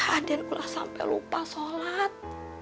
aden udah sampai lupa sholat